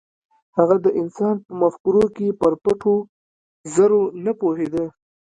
هغه د انسان په مفکورو کې پر پټو زرو نه پوهېده.